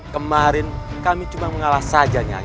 kemarin kami cuma mengalah saja nyai